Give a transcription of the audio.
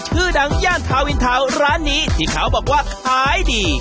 ชื่อดังย่านทาวินทาวน์ร้านนี้ที่เขาบอกว่าขายดี